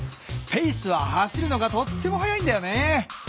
ペイスは走るのがとっても速いんだよね。